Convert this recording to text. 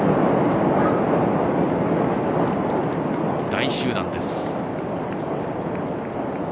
大集団です。